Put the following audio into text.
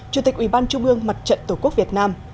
chủ tịch ủy ban trung ương mặt trận tổ quốc việt nam